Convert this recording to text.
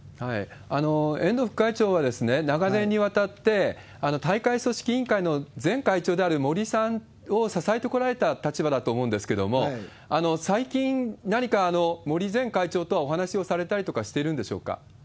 遠藤副会長は、長年にわたって、大会組織委員会の前会長である森さんを支えてこられた立場だと思うんですけども、最近、何か森前会長とはお話をされたりとかしているんでしょうか？